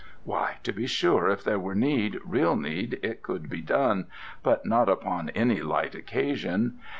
"Why, to be sure, if there were need, real need, it could be done, but not upon any light occasion.